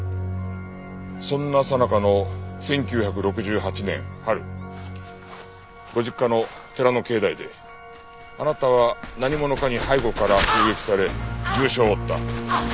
そんなさなかの１９６８年春ご実家の寺の境内であなたは何者かに背後から襲撃され重傷を負った。